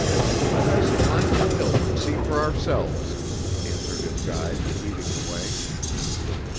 "Let us climb the hill and see for ourselves," answered his guide, leading the way.